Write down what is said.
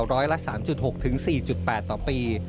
ร้อยละ๓๖๔๘ต่อปี